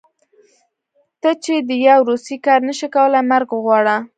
ته چې د يو روسي کار نشې کولی مرګ وغواړه.